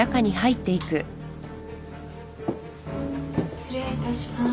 失礼いたします。